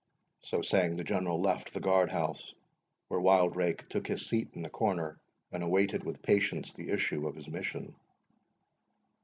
So saying the General left the guard house, where Wildrake took his seat in the corner, and awaited with patience the issue of his mission.